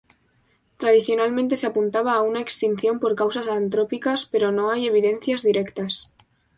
Tradicionalmente se apuntaba a una extinción por causas antrópicas, pero no hay evidencias directas.